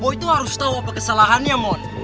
boy tuh harus tau apa kesalahannya mon